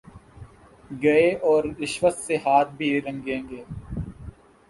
گے اور رشوت سے ہاتھ بھی رنگیں گے۔